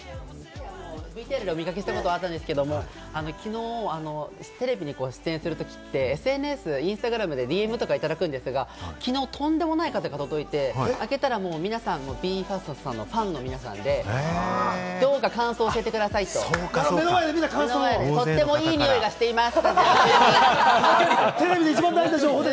ＶＴＲでお見かけしたことがあったんですけど、昨日テレビにご出演するときにＳＮＳ、インスタグラムでＤＭとかいただくんですが、昨日、とんでもない数のが届いて、開けたら皆さん、ＢＥ：ＦＩＲＳＴさんのファンの皆さんで、とってもいいにおいがしています。